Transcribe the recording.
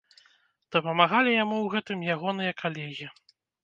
Дапамагалі яму ў гэтым ягоныя калегі.